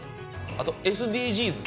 あとＳＤＧｓ